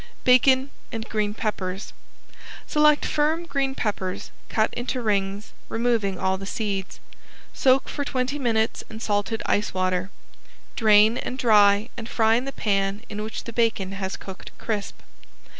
~BACON AND GREEN PEPPERS~ Select firm green peppers, cut into rings, removing all the seeds. Soak for twenty minutes in salted ice water. Drain and dry and fry in the pan in which the bacon has cooked crisp.